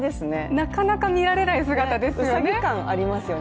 なかなか見られない姿ですよね。